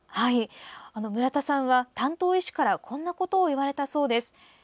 村田さんは担当医師からこんなことを言われたそうです。